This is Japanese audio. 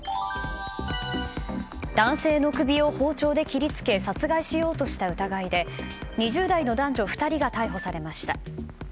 男性の首を包丁で切り付け殺害しようとした疑いで２０代の男女２人が逮捕されました。